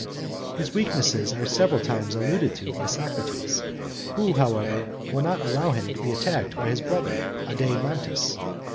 His weaknesses are several times alluded to by Socrates, who, however, will not allow him to be attacked by his brother Adeimantus.